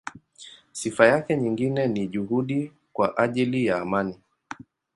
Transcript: Sifa yake nyingine ni juhudi kwa ajili ya amani.